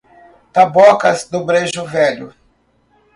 Tabocas do Brejo Velho